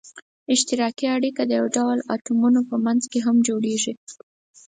اشتراکي اړیکه د یو ډول اتومونو په منځ کې هم جوړیږي.